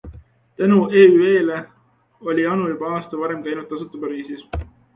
Tänu EÜE-le oli Anu juba aasta varem käinud tasuta ka Pariisis.